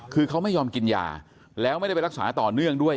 คือเขาไม่ยอมกินยาแล้วไม่ได้ไปรักษาต่อเนื่องด้วย